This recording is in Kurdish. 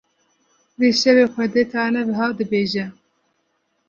Vê şevê Xwedê Teala wiha dibêje: